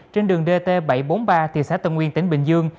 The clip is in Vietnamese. trên đường dt bảy trăm bốn mươi ba thị xã tân nguyên tỉnh bình dương